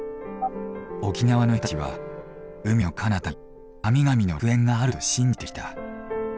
沖縄の人たちは海のかなたに神々の楽園があると信じてきた。